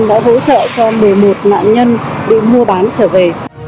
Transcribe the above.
đã hỗ trợ cho một mươi một nạn nhân đến mua bán trở về